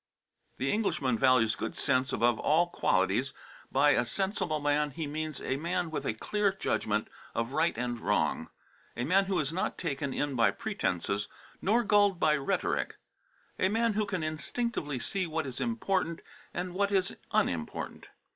The Englishman values good sense above almost all qualities; by a sensible man he means a man with a clear judgment of right and wrong, a man who is not taken in by pretences nor gulled by rhetoric; a man who can instinctively see what is important and what is unimportant.